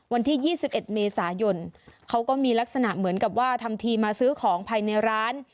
วันที่๒๑เมษายนเขาก็มีลักษณะเหมือนกับว่าทำทีมาซื้อของภายในร้าน